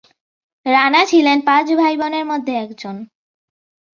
রানা ছিলেন পাঁচ ভাইবোনের মধ্যে একজন।